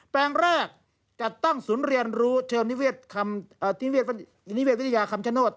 แปลงแรกจัดตั้งศูนย์เรียนรู้เชิงนิเวศนิเวศวิทยาคำชโนธ